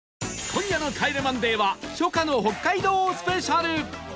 今夜の『帰れマンデー』は初夏の北海道スペシャル